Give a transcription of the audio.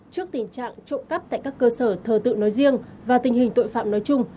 trước tình trạng trộm cắp tại các cơ sở thờ tự nói riêng và tình hình tội phạm nói chung